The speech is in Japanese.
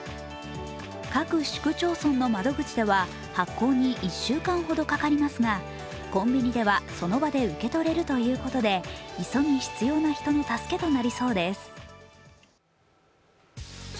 各市区町村の窓口では発行に１週間ほどかかりますが、コンビニでは、その場で受け取れるということで急ぐ人の助けとなりそうです。